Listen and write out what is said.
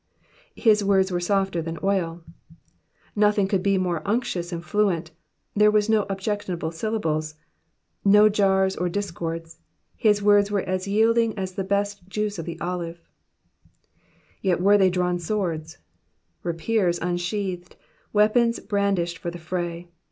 J7w words were softer than oiV^ Nothing could be more unctuous and fluent, there were no objectionable syllables, no jars or discords, his words were as yielding as the best juice of the olive ;yet were they drawn swords,^^ rapiers unsheathed, weapons brandished for the fray.